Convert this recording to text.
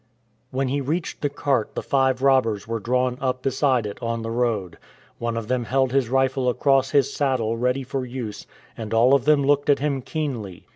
When he reached the cart the five robbers were drawn up beside it on the road. One of them held his rifle across his saddle ready for use, and all of them looked at him keenly.